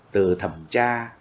từ thẩm tra